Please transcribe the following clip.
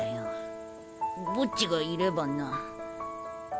ボッジがいればな。